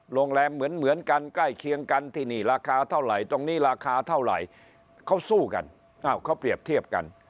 โรงแรมเหมือนกันใกล้เคียงกันที่นี่ราคาเท่าไหร่ตรงนี้ราคาเท่าไหร่เขาสู้กันอ้าวเขาเปรียบเทียบกัน